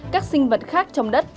các sinh vật khác trong đất